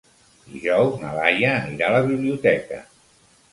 Dijous na Laia anirà a la biblioteca.